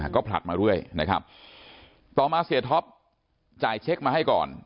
ก็ผลัดมาเรื่อยนะครับต่อมาเสียท็อปจ่ายเช็คมาให้ก่อน